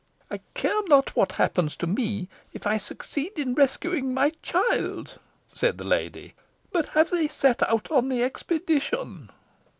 "I care not what happens to me, if I succeed in rescuing my child," said the lady. "But have they set out on the expedition?"